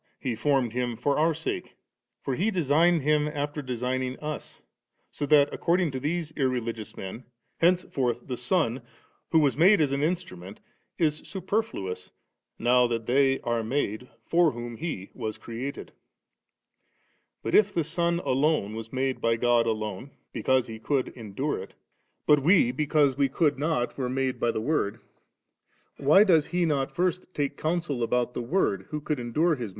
He formed Him for our sake ; for He designed Him after designing us ; so that, according to these irreligious men, henceforth the Son, who was made as an instru ment, is superfluous, now that they are made for whom He was created But if the Son alone was made by God alone, because He could endure it, but we, because we could not, ^ Rom. Iz. 19* S Notts 00 f 5S. and dt Dter, t. .